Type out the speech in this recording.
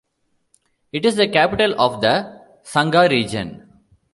It is the capital of the Sangha Region.